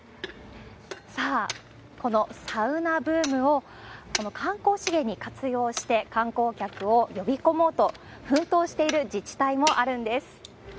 さあ、このサウナブームを観光資源に活用して観光客を呼び込もうと奮闘している自治体もあるんです。